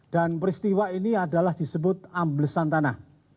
dan peristiwa ini adalah disebut amblesan tanah